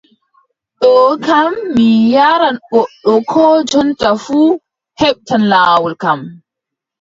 Ɗo kam mi yaaran goɗɗo koo jonta fuu, heɓtan laawol kam.